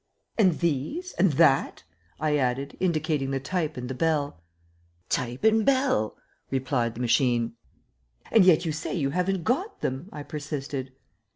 "And these, and that?" I added, indicating the type and the bell. "Type and bell," replied the machine. "And yet you say you haven't got them," I persisted.